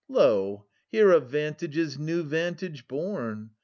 Lo, here of vantage is new vantage born !